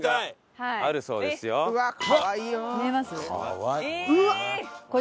見えます？